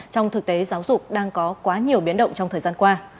trong thực tế giáo dục đang có quá nhiều biến động trong thời gian qua